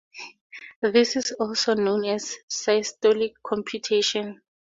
This is also known as systolic computation.